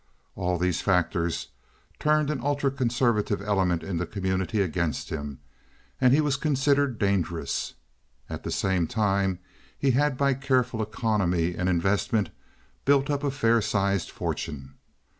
All these factors turned an ultra conservative element in the community against him, and he was considered dangerous. At the same time he had by careful economy and investment built up a fair sized fortune.